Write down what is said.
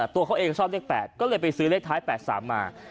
ตัวเขาเองชอบเลข๘ก็เลยไปซื้อเลขท้าย๘๓มา